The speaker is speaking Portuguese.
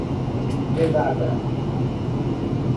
vedada